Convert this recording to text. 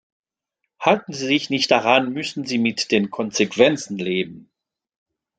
Halten sie sich nicht daran, müssen sie mit den Konsequenzen leben.